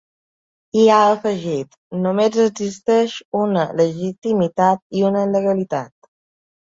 I ha afegit: Només existeix una legitimitat i una legalitat.